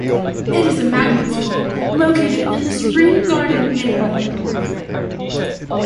It is a magnet school, located in the Spring Garden neighborhood.